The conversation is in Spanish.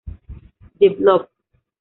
The Blob.